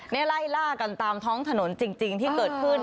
นี่ไล่ล่ากันตามท้องถนนจริงที่เกิดขึ้น